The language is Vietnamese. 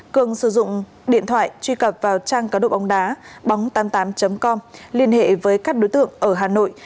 cường sử dụng điện thoại truy cập vào trang cá độ bóng đá bóng tám mươi tám com liên hệ với các đối tượng ở hà nội